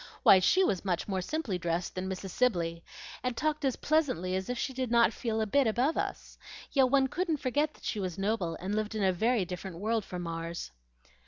Why, she was much more simply dressed than Mrs. Sibley, and talked as pleasantly as if she did not feel a bit above us. Yet one couldn't forget that she was noble, and lived in a very different world from ours."